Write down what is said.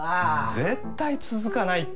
絶対続かないって！